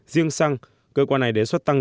riêng xăng cơ quan này đề xuất tăng